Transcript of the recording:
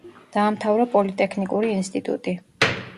დაამთავრა პოლიტექნიკური ინსტიტუტი.